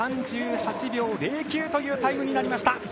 ３８秒０９というタイムになりました。